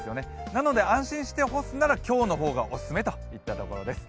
なので安心して干すなら今日の方がオススメといったところです。